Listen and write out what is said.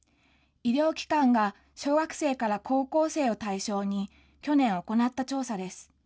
医療機関が、小学生から高校生を対象に、去年、行った調査です。